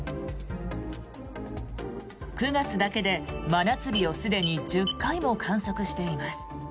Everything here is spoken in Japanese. ９月だけで真夏日をすでに１０回も観測しています。